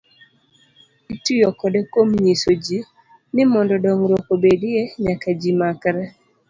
Itiyo kode kuom nyiso ji, ni mondo dongruok obedie, nyaka ji makre.